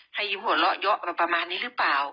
ให้ยิ้มหัวเยาะเยาะแบบประมาณนี้หรือเปล่า